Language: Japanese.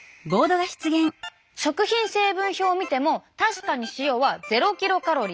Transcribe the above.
食品成分表を見ても確かに塩はゼロキロカロリー！